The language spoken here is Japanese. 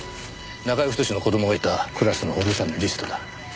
中居太の子供がいたクラスの保護者のリストだ。